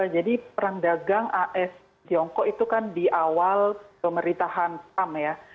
jadi perang dagang as tiongkok itu kan di awal pemerintahan pam ya